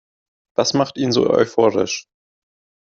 Was macht ihn so euphorisch?